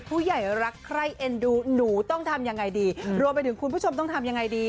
ผู้ใหญ่รักใครเอ็นดูหนูต้องทำยังไงดีรวมไปถึงคุณผู้ชมต้องทำยังไงดี